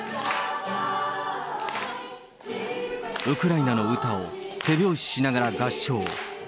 ウクライナの歌を手拍子しながら合唱。